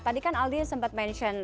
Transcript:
tadi kan aldi sempat mention